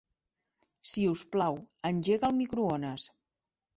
Si us plau, engega el microones.